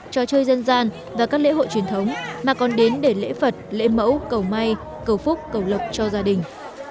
trò chơi dân gian và các lễ hội truyền thống mà còn đến để lễ phật lễ mẫu cầu may cầu phúc cầu lộc cho gia đình